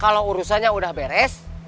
kalau urusannya udah beres